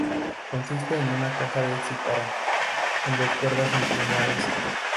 Consiste en una caja de cítara con dos cuerdas inclinadas.